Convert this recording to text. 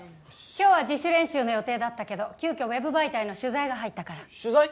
今日は自主練習の予定だったけど急きょＷＥＢ媒体の取材が入ったから取材？